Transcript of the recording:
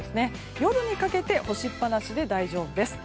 夜にかけて干しっぱなしで大丈夫です。